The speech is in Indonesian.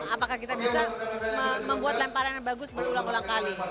apakah kita bisa membuat lemparan yang bagus berulang ulang kali